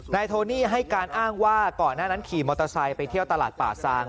โทนี่ให้การอ้างว่าก่อนหน้านั้นขี่มอเตอร์ไซค์ไปเที่ยวตลาดป่าซาง